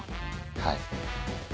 はい。